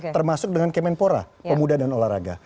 termasuk dengan kemenpora pemuda dan olahraga